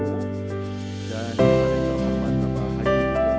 dan kepada yang terhormat bapak haji